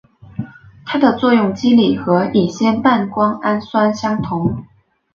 它的作用机理和乙酰半胱氨酸相同。